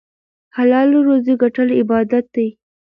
حلاله روزي ګټل عبادت دی.